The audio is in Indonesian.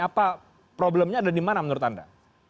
apa problemnya ada di mana menurut anda